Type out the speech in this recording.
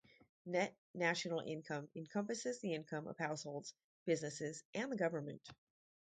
Net national income encompasses the income of households, businesses, and the government.